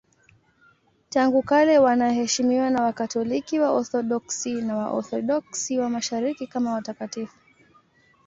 Tangu kale wanaheshimiwa na Wakatoliki, Waorthodoksi na Waorthodoksi wa Mashariki kama watakatifu.